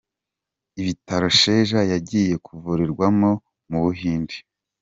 Ibitaro Sheja yagiye kuvurirwamo mu Buhinde.